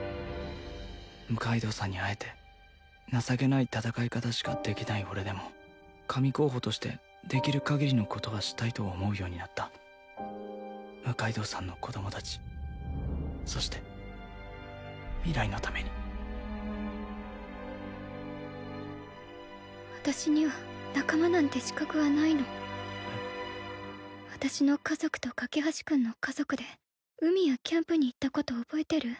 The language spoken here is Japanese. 六階堂さんに会えて情けない戦い方しかできない俺でも神候補としてできる限りのことはしたいと思うようになった六階堂さんの子供達そして未来のために私には仲間なんて資格はないのえっ私の家族と架橋君の家族で海やキャンプに行ったこと覚えてる？